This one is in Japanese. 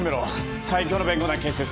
最強の弁護団結成する。